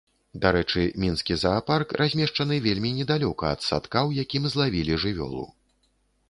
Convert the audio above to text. Дарэчы, мінскі заапарк размешчаны вельмі недалёка ад садка, у якім злавілі жывёлу.